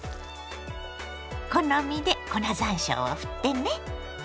好みで粉ざんしょうをふってね。